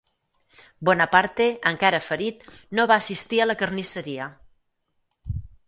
Bonaparte, encara ferit, no va assistir a la carnisseria.